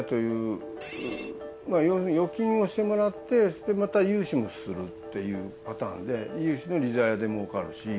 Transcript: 要するに預金をしてもらってまた融資もするっていうパターンで融資の利ざやでもうかるし。